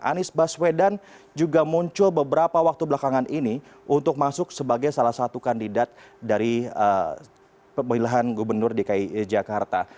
anies baswedan juga muncul beberapa waktu belakangan ini untuk masuk sebagai salah satu kandidat dari pemilihan gubernur dki jakarta